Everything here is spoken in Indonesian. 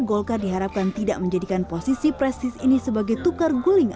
golkar diharapkan tidak menjadikan posisi prestis ini sebagai tukar guling